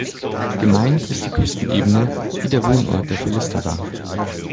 Gemeint ist die Küstenebene, die der Wohnort der Philister war.